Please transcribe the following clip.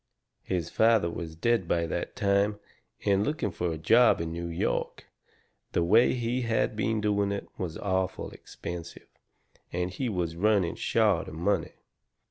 His father was dead by that time, and looking fur a job in New York, the way he had been doing it, was awful expensive, and he was running short of money.